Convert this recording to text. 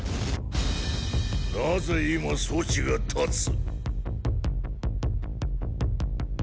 なぜ今そちが立つ。